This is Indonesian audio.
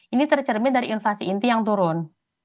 ini tercermin dari invasi inti yang turun